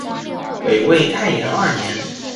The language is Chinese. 北魏太延二年。